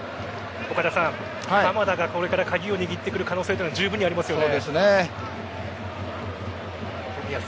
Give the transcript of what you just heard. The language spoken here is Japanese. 岡田さん鎌田がこれから鍵を握ってくる可能性はじゅうぶんにそうですね。